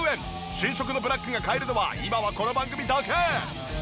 新色のブラックが買えるのは今はこの番組だけ。